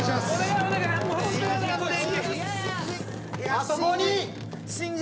あと５人！